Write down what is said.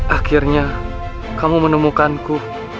akhirnya kamu menemukanku